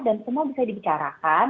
dan semua bisa dibicarakan